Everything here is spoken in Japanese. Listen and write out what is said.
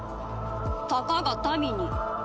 たかが民に。